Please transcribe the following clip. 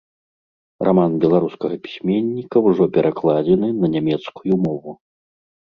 Раман беларускага пісьменніка ўжо перакладзены на нямецкую мову.